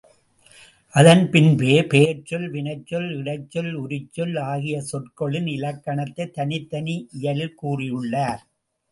அதன் பின்பே, பெயர்ச்சொல், வினைச்சொல், இடைச்சொல், உரிச்சொல் ஆகிய சொற்களின் இலக்கணத்தைத் தனித்தனி இயலில் கூறியுள்ளார்.